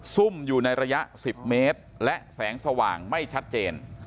ซุ่มอยู่ในระยะ๑๐เมตรและแสงสว่างไม่ชัดเจน